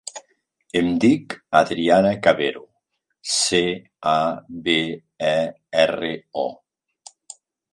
Em dic Adriana Cabero: ce, a, be, e, erra, o.